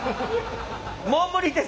もう無理です。